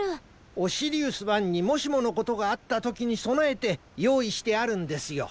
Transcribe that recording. オシリウス１にもしものことがあったときにそなえてよういしてあるんですよ。